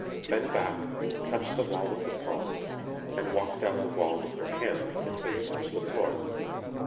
Bend back, touch the wall with the palms and walk down the wall with your hands until you touch the floor.